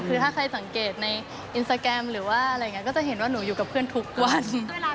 เมื่อไหร่จะพอเปิดกระตูหัวใจอีกครั้ง